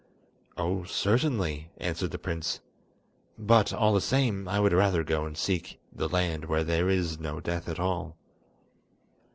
"Oh, certainly," answered the prince; "but, all the same, I would rather go and seek the land where there is no death at all."